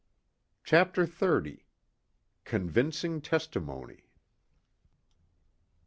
CHAPTER XXX CONVINCING TESTIMONY.